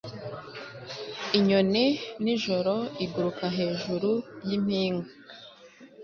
inyoni nijoro iguruka hejuru yimpinga